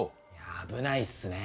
危ないっすね